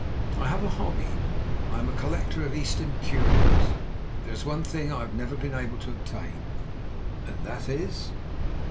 I have a hobby. I am a collector of Eastern curios, but there is one thing I have never been able to obtain.' "'And that is?'